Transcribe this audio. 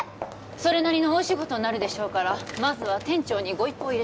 それなりの大仕事になるでしょうからまずは店長にご一報を入れ